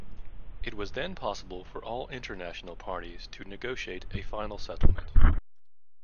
It was then possible for all international parties to negotiate a final settlement.